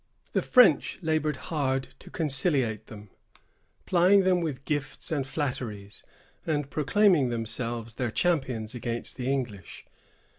The French labored hard to conciliate them, plying them with gifts and flatteries, and proclaiming themselves their champions against the English.